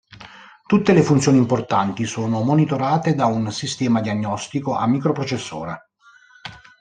Tutte le funzioni importanti sono monitorate da un sistema diagnostico a microprocessore.